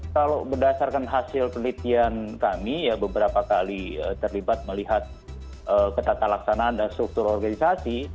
kalau berdasarkan hasil penelitian kami ya beberapa kali terlibat melihat ketata laksanaan dan struktur organisasi